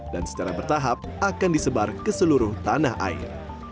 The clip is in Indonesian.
dan secara bertahap akan disebar ke seluruh tanah air